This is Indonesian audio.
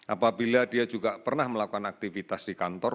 apabila dia juga pernah melakukan aktivitas di kantor